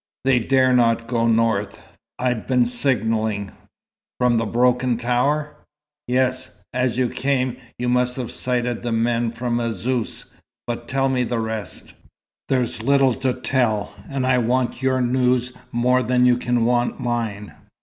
"They dared not go north. I'd been signalling " "From the broken tower?" "Yes. As you came, you must have sighted the men from Azzouz. But tell me the rest." "There's little to tell, and I want your news more than you can want mine.